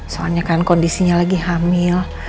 soalnya kan kondisinya lagi hamil